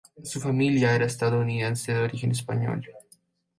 Su familia era estadounidense de origen español.